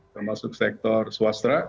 termasuk sektor swastra